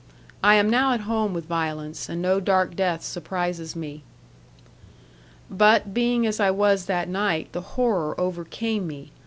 I am now at home with violence; and no dark death surprises me. 'But, being as I was that night, the horror overcame me.